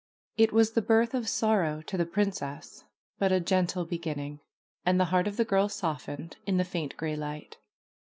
It was the birth of sorrow to the princess, but a gentle beginning, and the heart of the girl softened in the faint gray light.